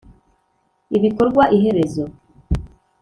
ibikorwa 'iherezo.